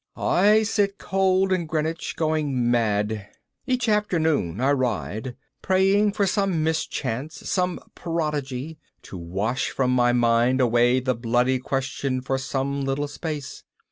"I sit cold in Greenwich, going mad. Each afternoon I ride, praying for some mischance, some prodigy, to wash from my mind away the bloody question for some little space.